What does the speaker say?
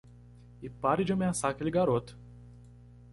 E pare de ameaçar aquele garoto.